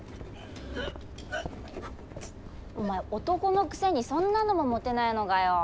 お前男のくせにそんなのも持てないのかよ。